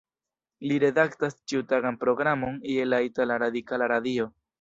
Li redaktas ĉiutagan programon je la itala Radikala Radio.